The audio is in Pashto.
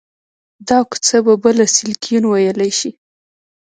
دا کوڅه به بله سیلیکون ویلي شي